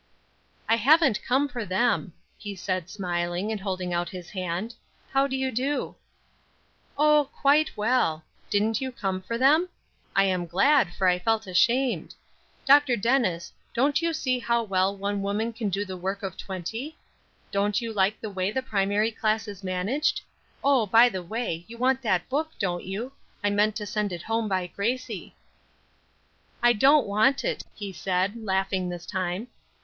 "I haven't come for them," he said smiling and holding out his hand! "How do you do?" "Oh, quite well. Didn't you come for them? I am glad, for I felt ashamed. Dr. Dennis, don't you see how well one woman can do the work of twenty? Don't you like the way the primary class is managed? Oh, by the way, you want that book, don't you? I meant to send it home by Gracie." "I don't want it," he said, laughing this time.